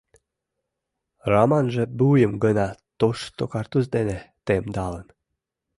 Раманже вуйым гына тошто картуз дене темдалын.